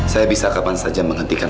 saya bisa kapan saja menghentikan